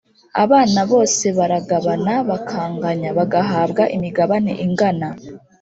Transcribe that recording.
abana bose baragabana bakanganya ; bagahabwa imigabane ingana.